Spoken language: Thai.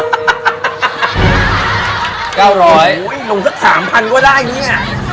๙๐๐บาทโอ้โหลงสัก๓๐๐๐บาทก็ได้เนี่ย